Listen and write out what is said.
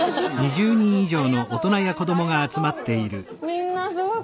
みんなすごい。